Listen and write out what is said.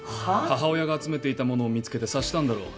母親が集めていたものを見つけて察したんだろう。